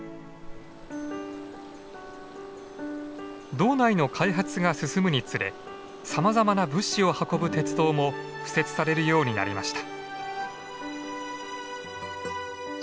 道内の開発が進むにつれさまざまな物資を運ぶ鉄道も敷設されるようになりました。